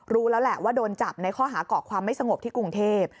รู้แล้วแหละว่าโดนจับในข้อหาเกาะความไม่สงบที่กรุงเทพ